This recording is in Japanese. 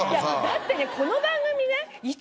だってねこの番組ね何何？